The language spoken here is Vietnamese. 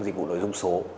dịch vụ nổi dung số